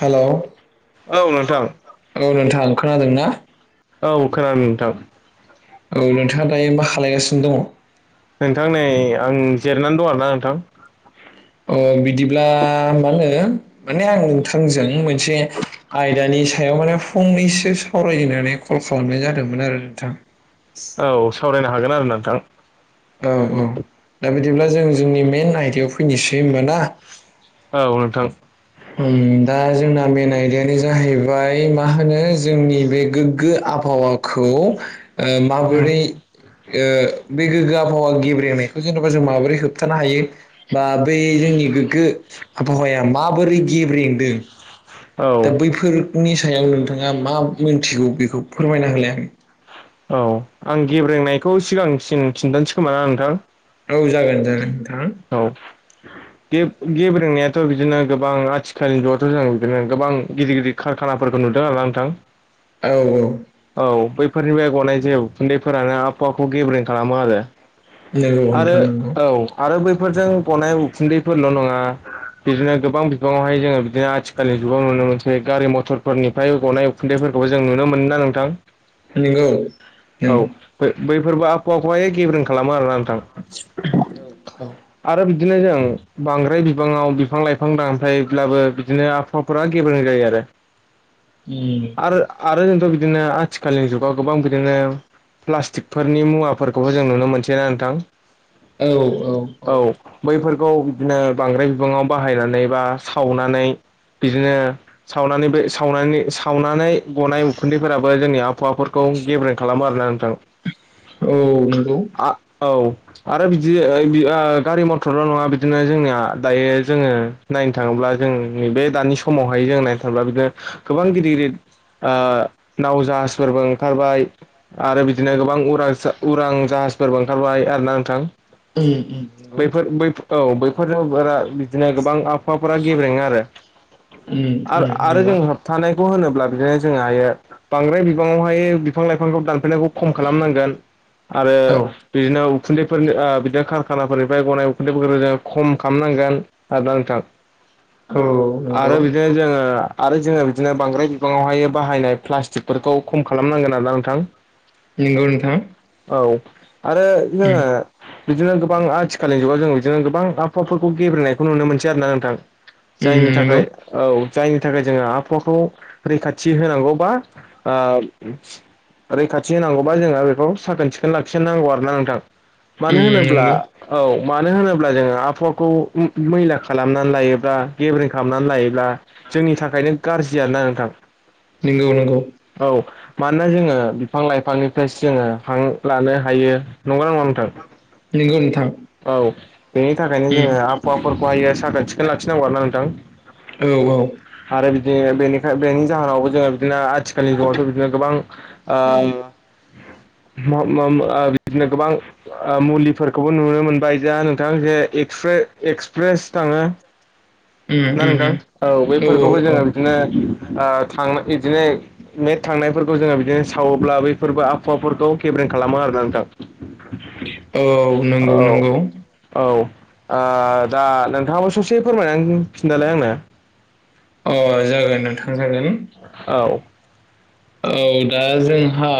Hello औ नोंथां औ नोंथां खोनादोंना औ खोनादों नोंथां औ नोंथाङा दायो मा खालायगासिनो दङ नोंथां नै आं जिरनानै दं ना नोंथां अ बिदिब्ला मा होनो माने आं नोंथांजों मोनसे आयदानि सायाव माने फंनैसो सावरायनो होननानै कल खालामनाय जादोंमोन आरो नोंथां औ सावरायनो हागोन आरो नोंथां औ औ दा बिदिब्ला जों जोंनि मेन आयदायाव फैनोसै होमबाना औ नोंथां दा जोंना मेन आयदायानो जाहैबाय मा होनो जोंनि बे गोग्गो आब हावाखौ ओ उम माबोरै ओ बे गोग्गो आबहावा गेब्रेनायखौ जेनेबा जों माबोरै होबथानो हायो बा बै जोंनि गोग्गो आबहावाया माबोरै गेब्रेंदों औ दा बैफोरनि सायाव नोंथाङा मा मोनथिगौ बेखौ फोरमायना होलाय औ आं गेब्रेंनायखौ सिगांसिन खिन्थानोसै खोमा ना नोंथां औ जागोन जागोन नोंथां औ गे गेब्रेंनायाथ' बिदिनो गोबां आथिखालनि जआथ जों बिदिनो गोबां गिदिर गिदिर कारखानाफोरखौ नुदों आरो नोंथां औ औ फोरनिफ्राय गनाय जे उखुन्दैफोरानो आबहावाखौ गेब्रें खालामो आरो नंगौ आरो नोंथां नंगौ औ आरो बैफोरजों गनाय उखुन्दैफोरल नङा बिदिनो गोबां बिबाङावहाय जोङो बिदिनो आथिखालनि जुगाव नुनो मोनसै गारि मटरफोरनिफ्राय गावनाय उखुनदै फोरखौबो जों नुनो ना नोंथां नंगौ औ बैफोरबो आबहावाखौहाय गेब्रें खालामो आरोना नोंथां औ आरो बिदिनो जों बांद्राय बिबाङाव बिफां लाइफां दानफ्रायब्लाबो बिदिनो आबहाफोरा गेब्रें जायो उम आरो आ जोंथ' बिदिनो आथिलनि जुगाव गोबां बिदिनो मुवा फोरखौबो जों नुनो मोनसै ना नोंथां औ औ बैफोरखौ बिदिनो बांद्राय बिबाङाव बाहायनानै बा सावनानै बिदिनो सावनानै बे सावनानै सावनानै गनाय उखुन्दैफोराबो जोंनि आबहावाफोरखौ गेब्रें खालामो आरोना नोंथां औ नंगौ आ औ आरो बिदि [unintelligible] आ गारि मटरल' नङा बिदिनो जोंनिया दायो जोङो नायनो थाङोब्ला जोंनि बे दानि स मावहाय जों नायनो थांब्ला बिदिनो गोबां गिदिर गिदिर आ नाव जाहाजफोरबो ओंखारबाय आरो बिदिनो उरां उरां जाहा हासफोरबो ओंखारबायबाय आरोना नोंथां ओम बैफोर बैफोर औ बैफोरजों बारा बिदिनो गोबां आबाफोरा गेब्रेंयो उम आरो उम आरो नंगौ जों हाबथानायखौ होनो नो जों हायो बांद्राय बिबाङावहायो बिफां लाइफांखौ दान नायखौ खम खालामनांगोन आरो औ बिदिनो उखुनदैफोरनि बिदि फोरनिफ्राय गनाय उनखुदैखौ जों खम खालामनांगोन आरो नोंथां औ नंगौ आरो बिदिनो जोङो आरो जोङो बिदिनो बांद्राय बिबाङावहाय बाहायनाय प्लास्टिकफोरखौ खम खालामनांगोन आरोना नोंथां नंगौ नोंथां औ आरो जोङो उम बिदिनो गोबां आथिखालनि जुगाव जों बिदिनो गोबां आबहावाफोरखौ गेबेंनायखौ नुनो मोनसै आरोना नोंथां जायनि उम नंगौ थाखाय औ जायनि थाखाय जोङो आबहावाखौ रैखाथि होनांगौ बा आ रैखाथि होनांगौबा जोङो बेखौ साखोन सिखोन लाखि नांगौ आरोना नोंथां मानो उम होनोब्ला नंगौ मानो होनोब्ला जोङो आबहावाखौ मैला खालामनानै लायोब्ला गेब्रें खालामनानै लायोब्ला जोंनि थाखायनो गाज्रि आरोना नोंथां नंगौ नंगौ औ मानोना जोङो बिफां लाइफांनिफ्रायसो जोङो हां लानो हायो नंगौ ना नङा नोंथां नंगौ नोंथां औ बेनि थाखायनो जोङो उम आबहावाफोरखौहायो साखोन सिखोन लाखिनांगौ आरोना नोंथां औ औ बिदि बेनिखाय बेनि जाहोनावबो जोङो बिदिनो आथिखालनि जुगावथ' बिदिनो गोबां ओम बिदिनो गोबां आ मुलिफोरखौ नुनो मोनबाय जों नोंथां जे एकसप्रे एक्सप्रेस थाङो ना उम उम नोंथां उम औ बेफोरखौबो औ औ जोङो बिदिनो आ थां बिदिनो मेट थांनायफोरखौ जोङो बिदिनो सावोब्ला बैफोरबो आबहावाफोरखौ गेब्रें खालामो आरोना नोंथां औ नंगौ नंगौ औ ओ दा नोंथाङाबो ससे फोरमायनानै खिनथालाय आंनो अ जागोन नोंथां जागोन औ औ दा जोंहा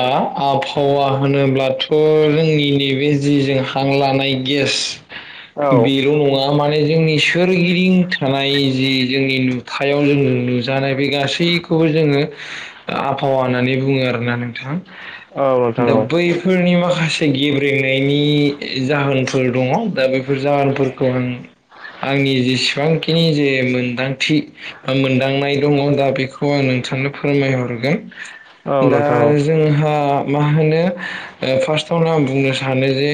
आबहावा होनोब्लाथ' जोंनि नैबे जि जों हां लानाय गेस औ बेल' नङा माने जोंनि सोरगिदिं थानाय जि जोंनि नुथायाव जों नुजानाय बे गासैखौबो जोङो आब हावा होननानै बुङो आरोना नोंथाङा नोंथां दा औ बैफोरनि माखासे माखासे गेब्रेंनायनि जाहोनफोर दङ दा बेफोर जाहोनफोरखौ आं आंनि जेसेबांखिनि जे मोनदांथि बा मोनदांनाय दङ दा बेखौ आं नो नोंथांनो फोरमाय औ हरगोन दा नोंथां औ जोंहा मा होनो फार्स्तयावनो आं बुंनो सानो जे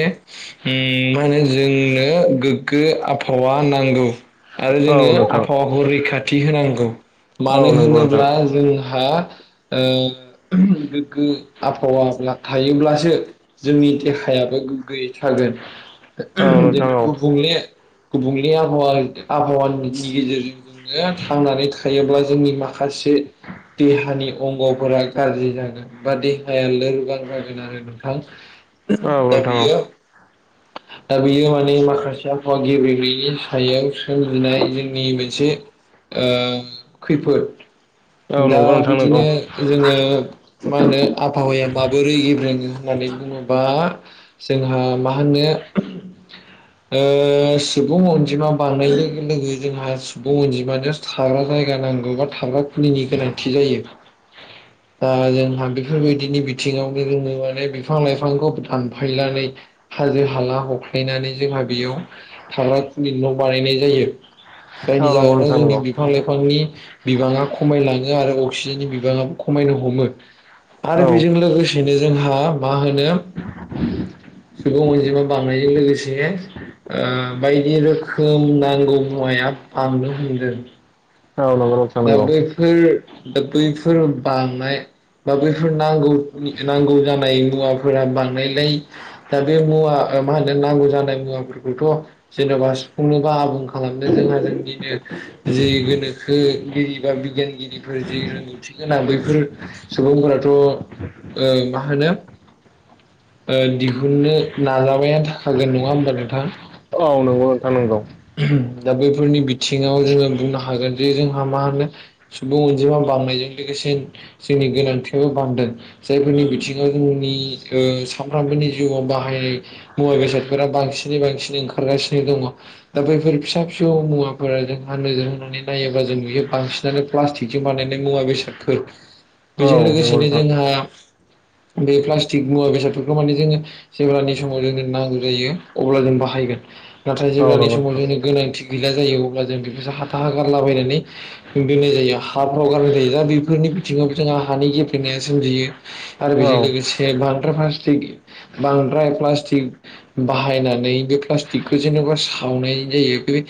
मा होनो जोंनो गोगो आबहावा नांगौ आरो जोङो औ नोंथां आबहावाखौ रैखाथि होनांगौ औ मानो नंगौ नोंथां होनोब्ला जों हा गोग्गो आबहाव थायोब्ला जोंनि देहायाबो गोग्गोयै औ थागोन जों नोंथां औ गुबुंले गुबुंले आबहावा आबहावानि गेजेरजों जोङो थांनानै थायोब्ला जोंनि माखासे माखासे देहानि अंग'फोरा गाज्रि जागोन बा देहाया लोरबां जागोन आरो नोंथां औ दा नोंथां औ बियो दा बियो माने माखासे आबहावा गेब्रेनायनि सायाव सोमजिनाय जोंनि मोनसे ओ खैफोद औ दा नंगौ नोंथां नंगौ बिदिनो जोङो मा होनो आबहावाया माबोरै गेब्रेङो होननानै बुङोबा जोंहा मा होनो सुबुं अनजिमा बांनाय लोगो लोगो जोंहा सुबुं अनजिमा थाग्रा जायगा नांगौबा थाग्रा खुलिनि गोनांथि जायो। दा जोंहा बेफोरबायदिनि बिथिङावनो जोङो माने बिफां लाइफांखौ दानफायनानै हाला हख्लायनानै जोंहा बेयाव थाग्रा खुलि न' बानायनाय जायो जायनि औ नंगौ जाहोनाव नोंथां जोंनि नंगौ बिफां लाइफांनि बिबाङा खमायलाङो आरो अक्सिजेननि बिबाङाबो खमायनो हमो आरो औ बेजों लोगोसेनो जोंहा मा होनो सुबुं अनजिमा बानायजों लोगोसे बायदि रोखोम नांगौ मुवाया बांनो हमदों। औ नंगौ नोंथां दा नंगौ बैफोर दा बैफोर बांनाय बा बैफोरनि नांगौ फोरनि नांगौ जानाय मुवाफोरा बांनायलाय दा बे मुवा मा होनो नांगौ जानाय मुवाफोरखौथ' जेनेबा सुफुंनोबा आबुं खालामनो जोंहा जोंनिनो जै गोनोखो गिरि बा बिगियानगिरिफोर जि रोंगौथि गोनां बैफोर सुबुंफोराथ' ओ मा होनो ओ दिहुननो नाजानाया थाखागोन नङा होमबा नोंथां औ नोंगौ नोंथां नंगौ दा बैफोरनि बिथिङाव जोङो बुंनो हागोन बे जोंहा मा होनो सुबुं अनजिमा बानायजों लोगोसे जोंनि गोनांथियाबो बान्दों जायफोरनि बिथिङाव ओ जोंनि सानफ्रोमबोनि जिउआव बाहायनाय मुवा बेसादफोरा बांसिन बांसिनै बांसिनै ओंखार खारगासिनो दङ दा बैफोर फिसा फिसौ मुवाफोरा जोंहा नोजोर होनानै नायोब्ला जों बियो बांसि सिनानो प्लास्टिकजों बानायनाय मुवा बेसादफोर औ बेजों नंगौ लोगोसेनो नोंथां जोंहा बे प्लास्टिक मुवा बेसादफोरखौ माने जोङो जेब्लानि समाव जोंनो नांगौ जायो अब्ला जों बाहायगोन नाथाय औ जेब्लानि नंगौ समाव नोंथां जोंनो गोनां थि गैला जायो अब्ला जों बेखौसो हाथा हा गारलाबायनानै दोननाय जायो हाफ्राव गारनाय जायो दा बेफोर नि बिथिङाव जोंहा हानि गेब्रेनाया सोमजियो आरो औ बेजों लोगोसे बांद्राय प्लास्टिक बांद्राय प्लास्टिक बाहायनानै बे प्ला स्टिकखो जेनेबा सावनाय जायो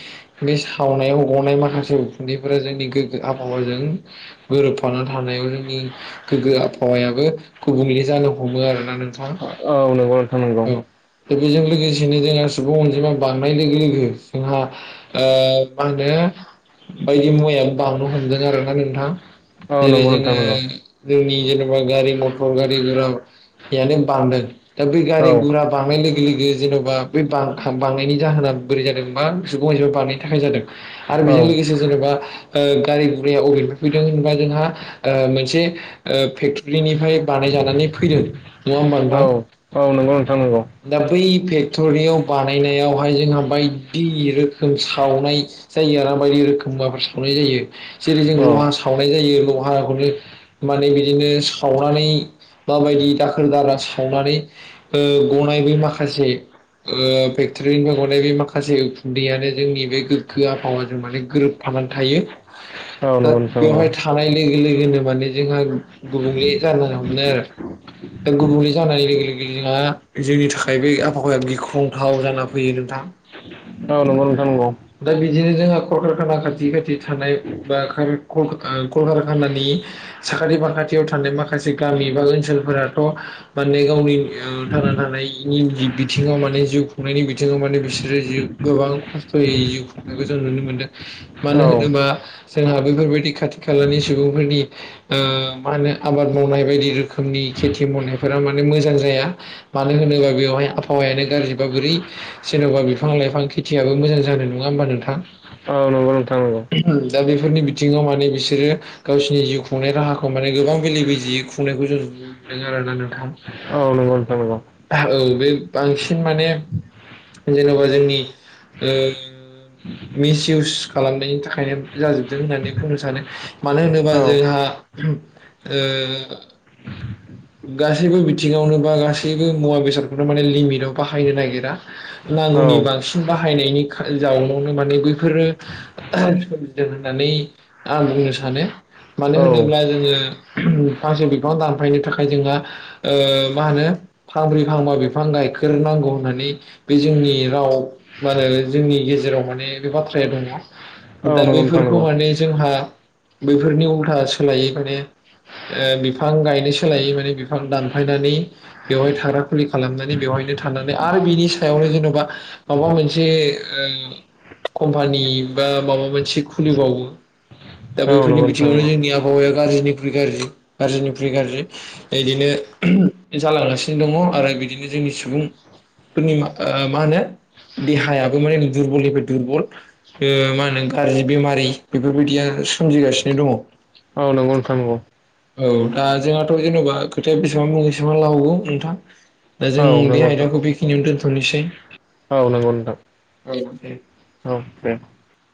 बे सावनायाव गनाय माखासे उखुन्दैफोरा जोंनि गोग्गो आबहावाजों गोरोबफानानै थानायाव जोंनि गोग्गो आबहावायाबो गुबुंनले बे जानो हमो आरोना नोंथां औ नंगौ नोंथां नंगौ औ दा बेजों लोगोसेनो जोंहा सुबुं अनजिमा बांनाय लोगो लोगो जोंहा ओ मा होनो बायदि मुवायो बांनो हमदों आरोना नोंथां औ जेरै नंगौ जोङो नोंथां नंगौ जोंनि जेनेबा गारि मटर गारि गुरायानो बांदों दा बे औ गारि गुरा बां लोगो लोगो जेनेबा बै बां बांनायनि जाहोना बोरै जादोंबा सुबुं अनजिमा बांनायनि थाखाय जादों आरो औ बेजों लोगोसे जेन'बा ओ गारि गुरिया अबेनिफ्राय फैदों होनबा जोंहा ओ मोनसे फेक्टरिनिफ्राय बानाय जानानै फैदों नङा ओमबा नोंथां औ औ नंगौ नोंथां नंगौ दा बै फेक्टरियाव बानायनायावहाय जोंहा बायदि रोखोम सावनाय जायो आरो बायदि रोखोम मुवाफोर सावनाय जायो जेरै जों औ लहा सावनाय जायो लहाखौनो माने बिदिनो सावनानै माबायदि दाखोर दारा सावनानै ओ गनाय बे माखासे ओ‌ फेक्टरिनिफ्राय गनाय बे माखासे उखुन्दैयानो जोंनि बे गोग्गो आबहावाजों माने गोरोबफा थायो औ नंगौ नोंथां नंगौ बेवहाय थानाय लोगो लोगो लोनो माने जोंहा गुबुंले जानो हमनो आरो दा गुबुंले जानाय लोगो लोगो जोंहा जोंनि थाखाय बे आबहाावाया गिख्रंथाव जाना फैयो नोंथां ओ नंगौ नोंथां नंगौ दा बिदिनो जोंहा कलकारखाना खाथि खाथि थानाय बा कलकारखानानि साखाथि फाखाथियाव थानाय माखासे गामि बा ओनसोलफोराथ' माने गावनि थांना थानायनि जि बिथिङाव माने जिउ खुंनायनि बिथिङाव माने बिसोरो जिउ गोबां खस्थ'यै जिउ खुंनायखौ जों नुनो मोनदों मानो औ होनोबा जोंहा बेफोरबायदि खाथि खाथि खालानि सुबुंफोरनि ओ मा होनो आबाद मावनाय बायदि रोखोमनि खेथि मावनायफोरा माने मोजां जाया मानो होनोबा बेवहाय आबहावायानो गाज्रिबा बोरै जेन'बा बिफां लाइफां खेथियाबो मोजां जानाय नङा होमबा नोंथां औ नंगौ नोंथां नंगौ दा बेफोरनि बिथिङाव माने बिसोरो गावसिरनि जिउ खुंनाय राहाखौ माने गोबां बेले बेजेयै खुङ नायखौ जों नुनो मोनदों आरोना नोंथां औ नंगौ नोंथां औ औ बे बांसिन माने जेनेबा जोंनि ओ मिस इउस खालामनायनि थाखायनो जाजोबदों होननानै बुंनो सानो मानो होनोबा औ जोंहा ओ गासैबो बिथिङावनो बा गासैबो मुवा बेसादखौनो माने लिमिटाव बाहायनो नागिरा नांगौनि औ बांसिन बाहायनायनि जाउनावनो माने बैफोरो समजिदों होननानै आं बुंनो सानो मानो होनोब्ला जोङो फांसे बिफां दानफायनो था खाय जोंहा ओ मा होनो फाब्रै फांबा बिफां गायखेर नांगौ होननानै जोंनि राव मा होनो जोंनि गेजेराव माने बे बाथ्राया दङ औ दा नंगौ नोंथां बैफोरखौ नंगौ माने जोंहा बैफोरनि उल्था सोलायै माने बिफां गायनाय सम स म बिफां दानफायनानै बेवहाय थाग्रा खुलि खालामनानै बेवहायनो थानानै आरो बिनि सायाव जेनेबा माबा मोनसे ओ कम्पानि बा माबा मोनसे खुलिबावो। दा बैफोरनि औ बिथिङावनो नंगौ नोंथां नंगौ जोंनि आबहावाया गाज्रिनिख्रइ गाज्रि गाज्रिनिख्रुइ गाज्रि बिदिनो जालांगासिनो दङ आरो बिदिनो जोंनि सुबुं नि मा होनो? देहायाबो माने दुरबलनिफ्राय दुरबल मा होनो गाज्रि बेमारि बेफोरबायदिया सोमजिगासिनो दङ। औ नंगौ नोंथां नंगौ औ दा जोंहाथ' जेन'बा खोथाया बेसेबां मुङ बेसेबां लबगौ नोंथां। दा औ जों बे नंगौ नोंथां आयदाखौ बेखिनियावनो दोनथ'नोसै। औ नंगौ नोंथां। आ दे औ दे